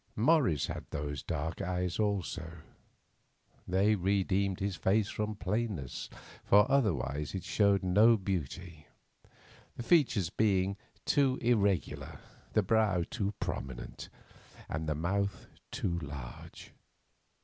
Morris had those dark eyes also—they redeemed his face from plainness, for otherwise it showed no beauty, the features being too irregular, the brow too prominent, and the mouth too large.